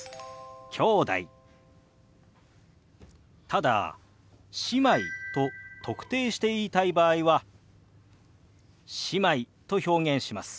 ただ「姉妹」と特定して言いたい場合は「姉妹」と表現します。